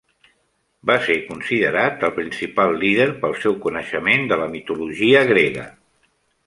Va ser considerat el principal líder pel seu coneixement de la mitologia grega.